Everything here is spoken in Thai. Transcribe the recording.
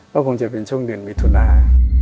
ก็คงจะเป็นช่วงเดือนมิถุนา